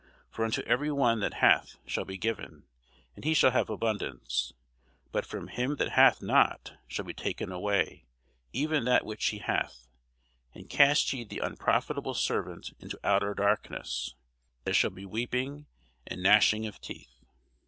For unto every one that hath shall be given, and he shall have abundance: but from him that hath not shall be taken away even that which he hath. And cast ye the unprofitable servant into outer darkness: there shall be weeping and gnashing of teeth.